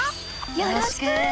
よろしく！